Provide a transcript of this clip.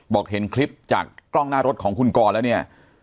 บอกเห็นคลิปจากกล้องหน้ารถของคุณกรแล้วเนี่ย